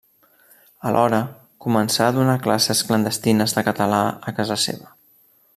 Alhora, començà a donar classes clandestines de català a casa seva.